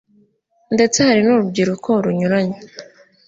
Ndetse hari n'urubyiruko runyuranye